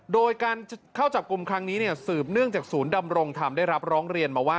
โดยการเข้าจับกลุ่มครั้งนี้สืบเนื่องจากศูนย์ดำรงธรรมได้รับร้องเรียนมาว่า